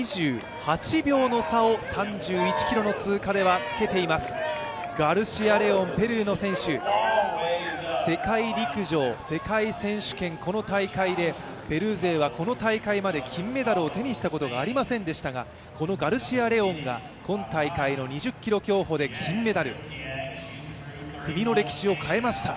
２８秒の差を３１ｋｍの通過でつけています、ガルシア・レオン、ペルーの選手世界陸上、世界選手権、この大会でペルー勢はこの大会まで金メダルを手にしたことがありませんでしたがこのガルシア・レオンが今大会の２０ｋｍ競歩で金メダル、国の歴史を変えました。